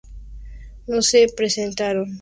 No se presentaron sanciones contra Pattern Energy.